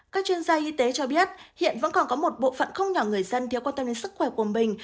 các chuyên gia y tế cho biết hiện vẫn còn có một bộ phận không nhỏ người dân thiếu quan tâm đến sức khỏe của mình